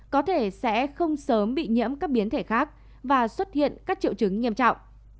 có thể sẽ không sớm bị nhiễm các biến thể khác và xuất hiện các triệu chứng nghiêm trọng